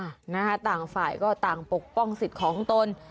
นะคะต่างฝ่ายก็ต่างปกป้องสิทธิ์ของตน